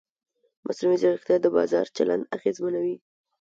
مصنوعي ځیرکتیا د بازار چلند اغېزمنوي.